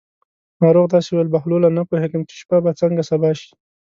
ناروغ داسې وویل: بهلوله نه پوهېږم چې شپه به څنګه سبا شي.